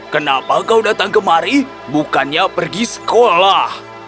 kenapa kau datang kemari bukannya pergi sekolah